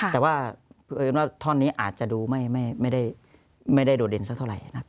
แต่ว่าท่อนนี้อาจจะดูไม่ได้โดดเด่นสักเท่าไหร่นะครับ